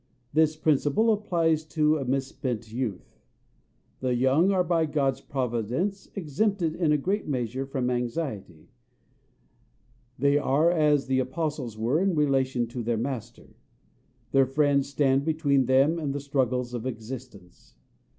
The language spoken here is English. This principle applies to a misspent youth. The young are by God's Providence, exempted in a great measure from anxiety; they are as the apostles were in relation to their Master: their friends stand between them and the struggles of existence.